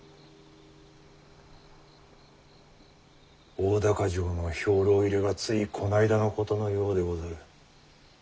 大高城の兵糧入れがついこないだのことのようでござる。